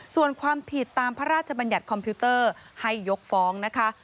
ส่วนความผิดตามพระราชบัญญัติคอมพิวเตอร์ให้ยกฟ้องนะคะ